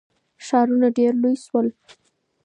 ښارونه ډیر لوی سول.